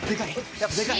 やっぱでかい？